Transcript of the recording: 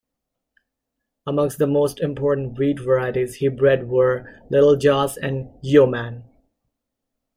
Among the most important wheat varieties he bred were Little Joss and Yeoman.